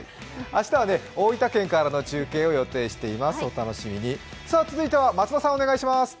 明日は大分県からの中継を予定しています、お楽しみに。